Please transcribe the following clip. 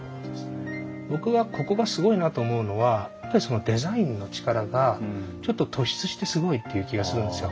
僕はここがすごいなと思うのはデザインの力がちょっと突出してすごいっていう気がするんですよ。